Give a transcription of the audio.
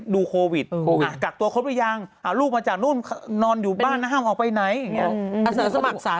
ทุกทีต้องแจกสาเวสจัดการ